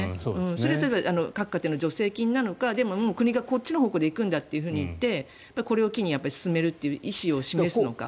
それはただ各家庭の助成金なのかでも国がこっちの方向で行くんだといって、これを機に進めるという意思を示すのか。